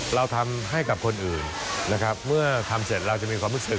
เราทำให้กับคนอื่นนะครับเมื่อทำเสร็จเราจะมีความรู้สึก